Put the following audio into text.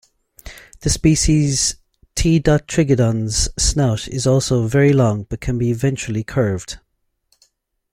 The species "T. trigadon's" snout is also very long but can be ventrally curved.